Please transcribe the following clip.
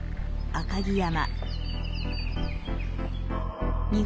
赤城山。